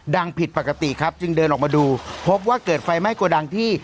ผิดปกติครับจึงเดินออกมาดูพบว่าเกิดไฟไหม้โกดังที่